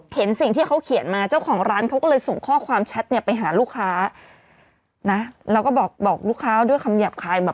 เห็นสิ่งที่เขาเขียนมาเจ้าของร้านเขาก็เลยส่งข้อความแชทเนี่ยไปหาลูกค้านะแล้วก็บอกบอกลูกค้าด้วยคำหยาบคายแบบ